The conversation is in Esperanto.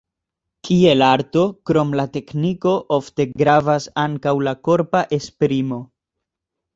Kiel arto, krom la tekniko, ofte gravas ankaŭ la korpa esprimo.